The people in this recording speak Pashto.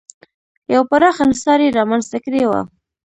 یو پراخ انحصار یې رامنځته کړی و.